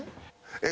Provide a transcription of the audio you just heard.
「えっ！」